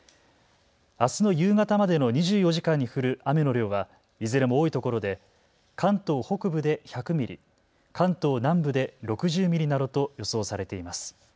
あすの夕方までの２４時間に降る雨の量はいずれも多いところで関東北部で１００ミリ、関東南部で６０ミリなどと予想されています。